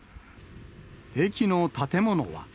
駅の建物は。